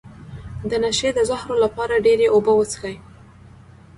د نشې د زهرو لپاره ډیرې اوبه وڅښئ